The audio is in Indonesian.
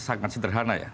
sangat sederhana ya